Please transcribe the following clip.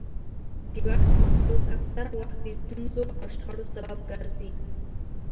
د واک تمرکز اکثره وخت د ستونزو او شخړو سبب ګرځي